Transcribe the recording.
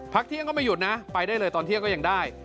เที่ยงก็ไม่หยุดนะไปได้เลยตอนเที่ยงก็ยังได้